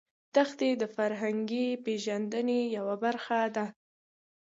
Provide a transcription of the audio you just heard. دښتې د فرهنګي پیژندنې یوه برخه ده.